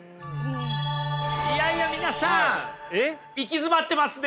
いやいや皆さん行き詰まってますね。